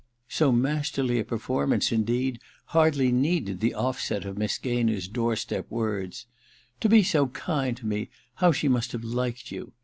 So masterly a performance, indeed, hardly needed the ofl^et or Miss Gaynor's door step words —* To be so kind to me, how she must have liked ou